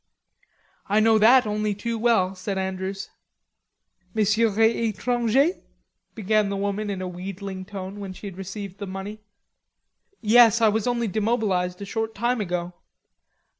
"I know that only too well," said Andrews. "Monsieur est etranger...." began the woman in a wheedling tone, when she had received the money. "Yes. I was only demobilized a short time ago."